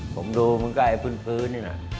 ผมดูเหมือนกับไอ้พื้นนี่นะ